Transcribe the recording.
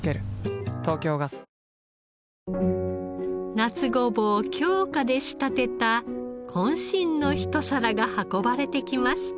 夏ごぼう京香で仕立てた渾身のひと皿が運ばれてきました。